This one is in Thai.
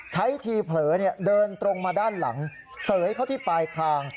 ทีเผลอเดินตรงมาด้านหลังเสยเข้าที่ปลายคาง